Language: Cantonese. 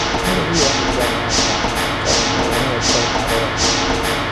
呢度啲嘢係正野嚟㗎，再唔係我搵日再打俾你